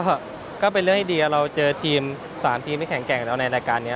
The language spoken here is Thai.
ก็เป็นเรื่องที่ดีเราเจอทีม๓ทีมที่แข็งแกร่งแล้วในรายการนี้